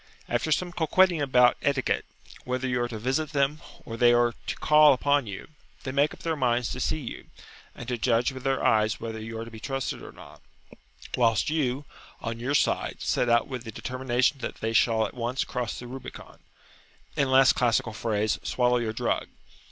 After some coquetting about "etiquette," whether you are to visit them, or they are to call upon you, they make up their minds to see you, and to judge with their eyes whether you are to be trusted or not; whilst you, on your side, set out with the determination that they shall at once cross the Rubicon, in less classical phrase, swallow your drug.